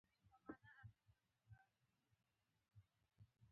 که توازن له منځه ولاړ شي، ګډوډي راځي.